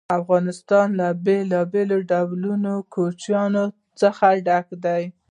افغانستان له بېلابېلو ډولونو کوچیانو څخه ډک دی.